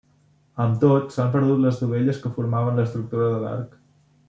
Amb tot, s'ha perdut les dovelles que formaven l'estructura de l'arc.